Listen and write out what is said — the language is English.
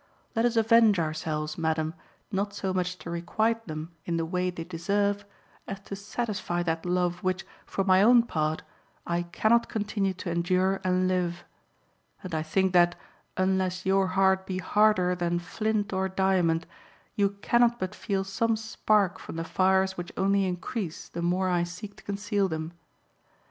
Let us avenge ourselves, madam, not so much to requite them in the way they deserve as to satisfy that love which, for my own part, I cannot continue to endure and live. And I think that, unless your heart be harder than flint or diamond, you cannot but feel some spark from the fires which only increase the more I seek to conceal them.